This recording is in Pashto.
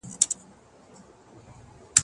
زه ږغ اورېدلی دی،